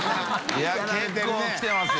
いや結構キテますよ。